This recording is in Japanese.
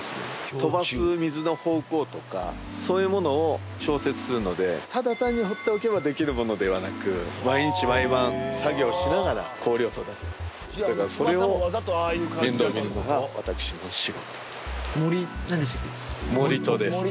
飛ばす水の方向とかそういうものを調節するのでただ単に放っておけばできるものではなく毎日毎晩作業しながら氷を育てていくというかそれを守何でしたっけ